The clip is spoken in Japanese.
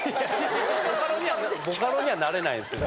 ボカロにはなれないですけど。